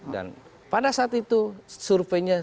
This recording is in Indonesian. dan pada saat itu surveinya satu lima